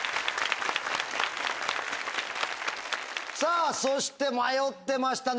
さぁそして迷ってましたね